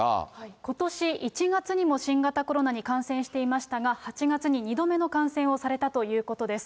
ことし１月にも新型コロナに感染していましたが、８月に２度目の感染をされたということです。